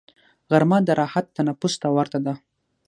غرمه د راحت تنفس ته ورته ده